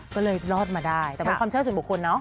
ก็เลยรอดมาได้แต่เป็นความเชื่อส่วนบุคคลเนาะ